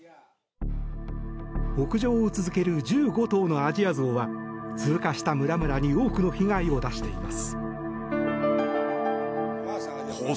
北上を続ける１５頭のアジアゾウは通過した村々に多くの被害を出しています。